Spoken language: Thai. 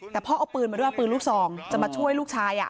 แต่พ่อเอาปืนมาด้วยเอาปืนลูกซองจะมาช่วยลูกชาย